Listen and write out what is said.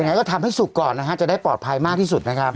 ยังไงก็ทำให้สุกก่อนนะฮะจะได้ปลอดภัยมากที่สุดนะครับ